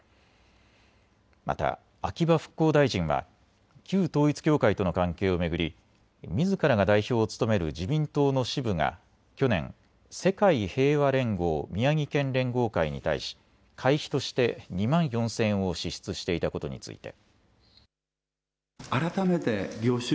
また秋葉復興大臣は旧統一教会との関係を巡りみずからが代表を務める自民党の支部が去年、世界平和連合宮城県連合会に対し会費として２万４０００円を支出していたことについて。